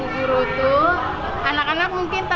terharu kangen melihat